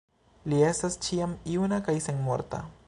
Li estas ĉiam juna kaj senmorta.